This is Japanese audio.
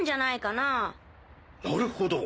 なるほど。